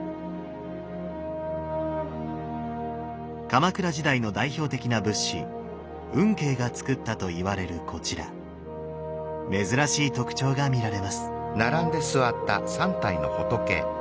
鎌倉時代の代表的な仏師運慶が造ったといわれるこちら珍しい特徴が見られます。